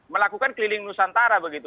melakukan keliling nusantara begitu